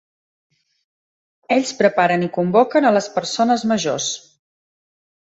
Ells preparen i convoquen a les persones majors.